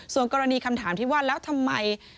ส่วนกรณีคำถามที่ว่าแล้วทำไม